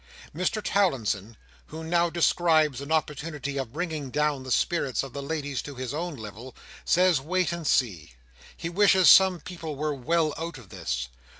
Mr Towlinson, who now descries an opportunity of bringing down the spirits of the ladies to his own level, says wait and see; he wishes some people were well out of this.